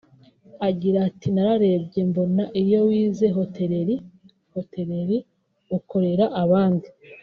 Agira ati “ Nararebye mbona iyo wize hotereri (hotelerie) ukorera abandi